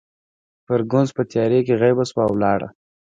فرګوسن په تیارې کې غیبه شوه او ولاړه.